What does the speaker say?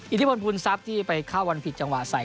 อิทธิพลภูมิทรัพย์ที่ไปเข้าวันผิดจังหวะใส่